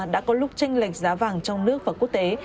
đã có lúc tranh lệch giá vàng trong nước và quốc tế